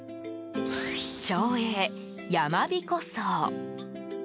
町営やまびこ荘。